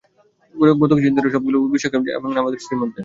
গত কিছুদিন ধরে সববিষয়গুলো কেমন যেন ঘটে যাচ্ছে আমার এবং আমার স্ত্রীর মধ্যে।